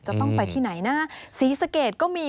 จะต้องไปที่ไหนนะศรีสะเกดก็มี